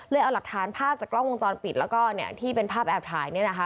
เลยเอาหลักฐานภาพจากกล้องวงจรปิดแล้วก็ที่เป็นภาพแอบถ่าย